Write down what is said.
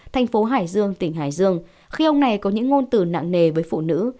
thành phố hải dương tỉnh hải dương khi ông này có những ngôn từ nặng nề với phụ nữ